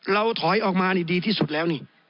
เราถอยออกมาดีที่สุดแล้ว